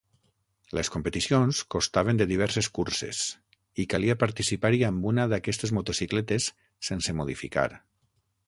Les competicions constaven de diverses curses i calia participar-hi amb una d'aquestes motocicletes, sense modificar.